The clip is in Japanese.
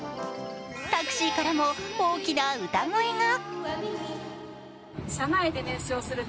タクシーからも大きな歌声が。